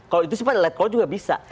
kalau itu simpan lihat kalau juga bisa